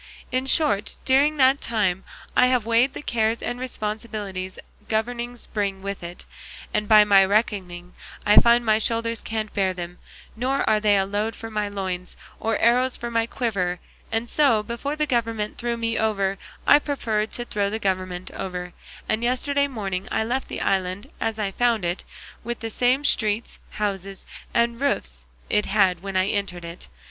In short, during that time I have weighed the cares and responsibilities governing brings with it, and by my reckoning I find my shoulders can't bear them, nor are they a load for my loins or arrows for my quiver; and so, before the government threw me over I preferred to throw the government over; and yesterday morning I left the island as I found it, with the same streets, houses, and roofs it had when I entered it.